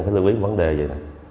phải lưu ý một vấn đề vậy này